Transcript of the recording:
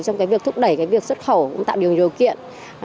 trong cái việc thúc đẩy cái việc xuất khẩu cũng tạo điều kiện